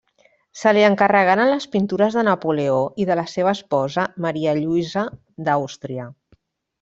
Se li encarregaren les pintures de Napoleó i de la seva esposa Maria Lluïsa d'Àustria.